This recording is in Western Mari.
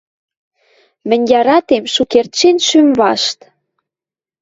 Мӹнь яратем шукердшен шӱм вашт.